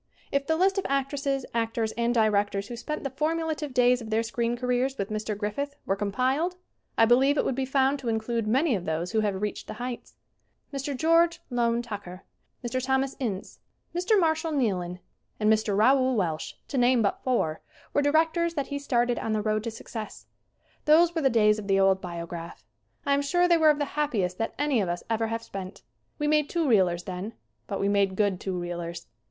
If the list of actresses, actors and directors who spent the formulative days of their screen careers with Mr. Griffith were compiled I believe it would be found to include many of those who have reached the heights. Mr. George Loane Tucker, Mr. Thomas Ince, Mr. Marshall Neilan and Mr. Raoul Walsh, to name but four, were directors that he started on the road to success. Those were the days of the old Biograph. I am sure they were of the happiest that any of us ever have spent. We made two reelers then. But we made good two reelers.